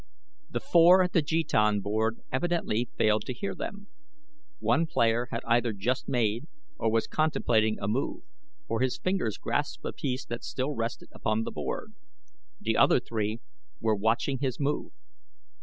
The four at the jetan board evidently failed to hear them. One player had either just made or was contemplating a move, for his fingers grasped a piece that still rested upon the board. The other three were watching his move.